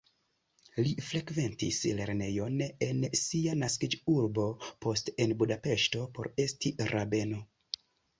Li frekventis lernejon en sia naskiĝurbo, poste en Budapeŝto por esti rabeno.